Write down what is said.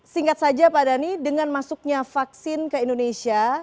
singkat saja pak dhani dengan masuknya vaksin ke indonesia